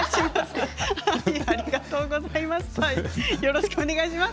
ありがとうございます。